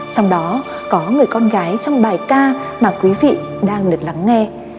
trong đó có người con gái trong bài ca mà quý vị đang được lắng nghe